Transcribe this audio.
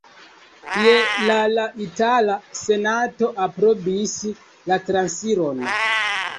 Je la la itala senato aprobis la transiron.